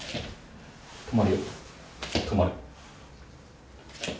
止まるよ。